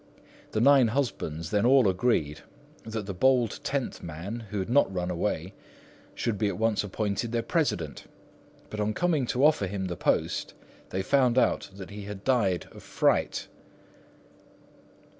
The nine husbands them all agreed that the bold tenth man, who had not run away, should be at once appointed their president; but on coming to offer him the post, they found that he had died of fright!